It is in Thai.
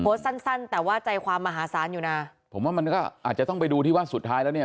สั้นสั้นแต่ว่าใจความมหาศาลอยู่นะผมว่ามันก็อาจจะต้องไปดูที่ว่าสุดท้ายแล้วเนี่ย